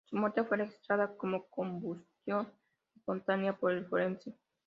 Su muerte fue registrada como "combustión espontánea" por el forense.